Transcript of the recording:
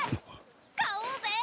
買おうぜ。